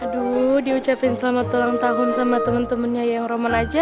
aduh diucapin selamat ulang tahun sama teman temannya yang roman aja